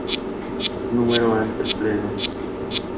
Número ante el Pleno.